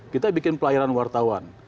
kita bikin pelahiran wartawan